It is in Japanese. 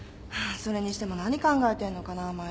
それにしても何考えてんのかなマエストロ。